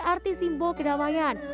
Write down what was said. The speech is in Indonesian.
arti simbol kedamaian